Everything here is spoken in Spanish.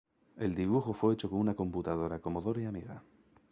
El dibujo fue hecho con una computadora Commodore Amiga.